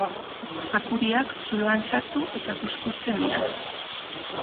Akuriak zuloan sartu eta kuzkurtzen dira.